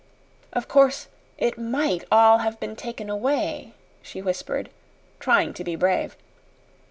"Of course it MIGHT all have been taken away," she whispered, trying to be brave.